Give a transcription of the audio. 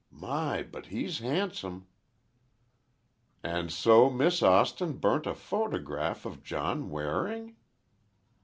My, but he's handsome!" "And so Miss Austin burned a photograph of John Waring?"